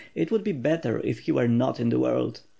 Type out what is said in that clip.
It would be better if he were not in the world.'